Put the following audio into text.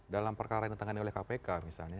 dalam perkara yang ditangani oleh kpk misalnya